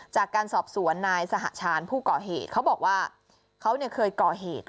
จากการสอบสวนนายสหชาญผู้ก่อเหตุเขาบอกว่าเขาเคยก่อเหตุ